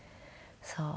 そう。